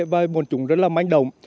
và bọn chúng rất là manh động